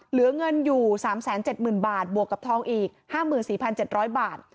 เหลือเงินอยู่๓๗๐๐๐บาทบวกกับทองอีก๕๔๗๐๐บาท